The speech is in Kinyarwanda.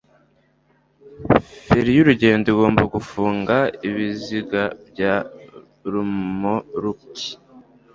feri y urugendo igomba gufunga ibiziga bya romoruki